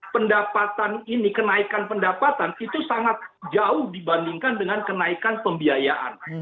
pendapatan ini kenaikan pendapatan itu sangat jauh dibandingkan dengan kenaikan pembiayaan